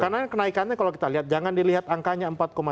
karena kenaikannya kalau kita lihat jangan dilihat angkanya empat tiga